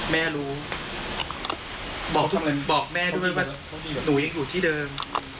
แม่รู้บอกแม่ด้วยว่าหนูยังอยู่ที่เดิม